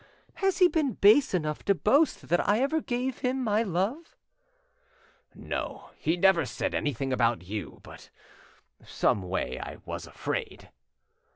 Has he been base enough to boast that I ever gave him my love?" "No, he never said anything about you; but someway I was afraid."